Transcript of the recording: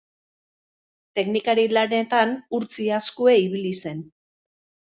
Teknikari lanetan Urtzi Azkue ibili zen.